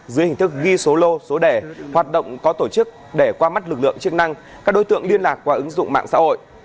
dưới hình thức ghi số lô số đẻ hoạt động có tổ chức để qua mắt lực lượng chức năng các đối tượng liên lạc qua ứng dụng mạng xã hội